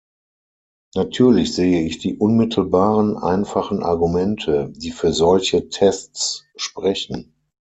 Natürlich sehe ich die unmittelbaren, einfachen Argumente, die für solche Tests sprechen.